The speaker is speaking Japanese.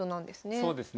そうですね。